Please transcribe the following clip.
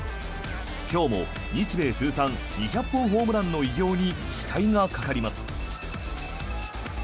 今日も日米通算２００本ホームランの偉業に期待がかかります。